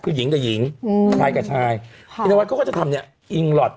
คือหญิงกับหญิงอืมชายกับชายพี่นวัยก็ว่าจะทำเนี้ยอิ่งหล่อ